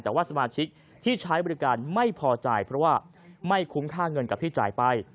แต่ว่าสมาชิกที่ใช้บริการไม่พอใจเพราะว่าไม่คุ้มค่าเงินกับที่จ่ายไป